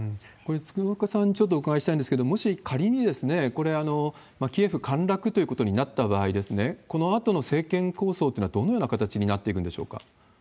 これ、鶴岡さんにちょっとお伺いしたいんですけれども、もし仮にですね、これ、キエフ陥落ということになった場合、このあとの政権構想っていうのはどのような形になっていくんでしょうか。